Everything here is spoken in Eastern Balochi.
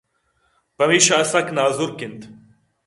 پمیشا سک نازُرک اِنت